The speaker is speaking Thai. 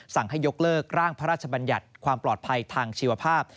สั่งให้ยกเลิกร่างพระราชบัญญัติความปลอดภัยทางชีวภาพ